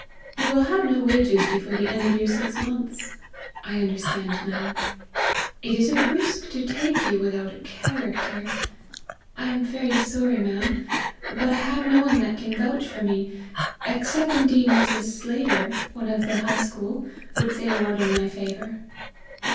"You will have no wages before the end of your six months." "I understand, ma'am." "It is a risk to take you without a character." "I am very sorry, ma'am; but I have no one that can vouch for me except, indeed, Mrs. Slater, of the High School, would say a word in my favor."